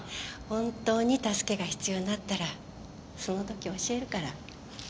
本当に助けが必要になったらその時教えるから。